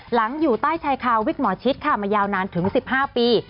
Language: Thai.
อยู่ใต้ชายคาวิกหมอชิดค่ะมายาวนานถึง๑๕ปี